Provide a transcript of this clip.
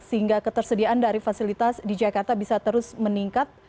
sehingga ketersediaan dari fasilitas di jakarta bisa terus meningkat